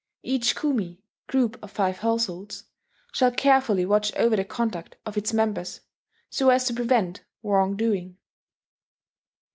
Each kumi [group of five households] shall carefully watch over the conduct of its members, so as to prevent wrongdoing."